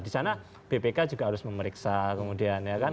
di sana bpk juga harus memeriksa kemudian ya kan